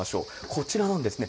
こちらなんですね。